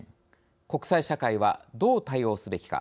国際社会はどう対応すべきか。